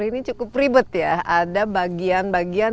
ini cukup ribet ya ada bagian bagian